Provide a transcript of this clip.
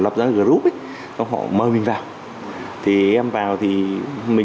mình xem thôi